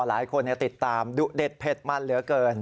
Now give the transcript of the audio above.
หลายคนติดตามดุเด็ดเผ็ดมันเหลือเกิน